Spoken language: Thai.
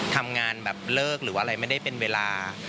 ทำงานเลิกหรือว่าไม่ได้เป็นเวลา